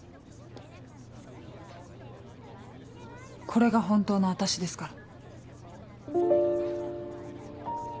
これが本当の私ですから。